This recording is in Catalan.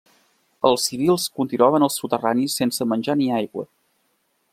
Els civils continuaven als soterranis sense menjar ni aigua.